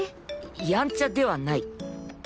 やんちゃではない。